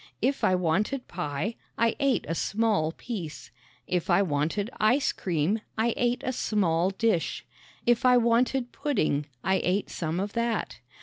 If I wanted pie I ate a small piece. If I wanted ice cream I ate a small dish. If I wanted pudding I ate some of that.